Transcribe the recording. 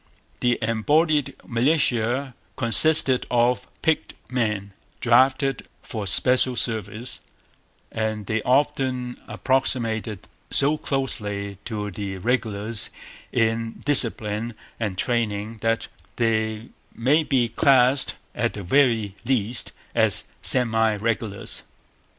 The embodied militia consisted of picked men, drafted for special service; and they often approximated so closely to the regulars in discipline and training that they may be classed, at the very least, as semi regulars.